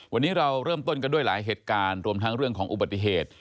วันนี้เราเริ่มต้นกันด้วยหลายเหตุการณ์รวมทั้งเรื่องของอุบัติเหตุ